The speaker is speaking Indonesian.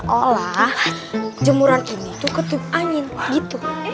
seolah olah jemuran ini tuh ketuk angin gitu